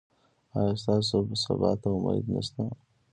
ایا ستاسو سبا ته امید نشته؟